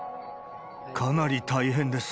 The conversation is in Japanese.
かなり大変です。